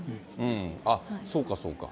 あっ、そうか、そうか。